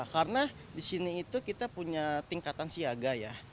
karena di sini itu kita punya tingkatan siaga ya